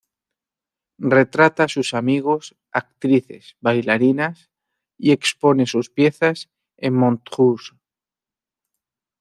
Retrata a sus amigos, actrices, bailarinas, y expone sus piezas en Montrouge.